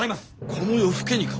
この夜更けにか？